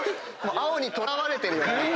青にとらわれてるよね。